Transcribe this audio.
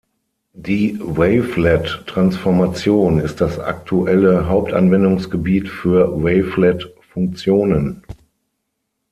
Die Wavelet-Transformation ist das aktuelle Hauptanwendungsgebiet für Wavelet-Funktionen.